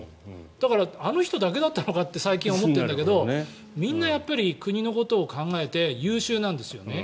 だから、あの人だけだったのかと最近思ってるんだけどみんな国のことを考えて優秀なんですよね。